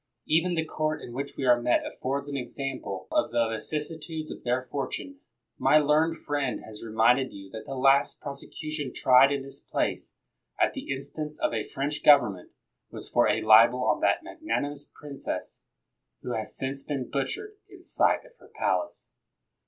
Even the court in which we are met affords an example of the vicissitudes of their fortune. ]\Iy learned friend has reminded you that the last prosecution tried in this place, at the instance of a French government, was for a libel on that magnanimous princess, who has since been butch ered in sight of her palace.